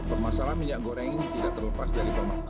permasalahan minyak goreng ini tidak terlepas dari pemakaman